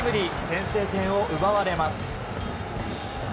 先制点を奪われます。